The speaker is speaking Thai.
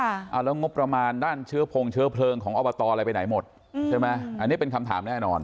เอาแล้วงบประมาณด้านเชื้อพงเชื้อเพลิงของอบตอะไรไปไหนหมดใช่ไหมอันนี้เป็นคำถามแน่นอน